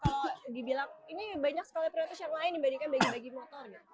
kalau dibilang ini banyak sekali prioritas yang lain dibandingkan bagi bagi motor gitu